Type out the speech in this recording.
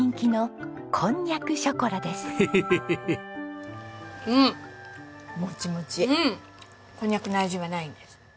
こんにゃくの味はないんです。